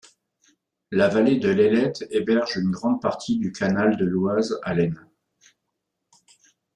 La vallée de l'Ailette héberge une grande partie du canal de l'Oise à l'Aisne.